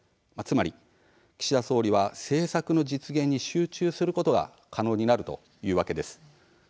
つまり岸田総理は政策の実現に集中することが可能になるというわけです。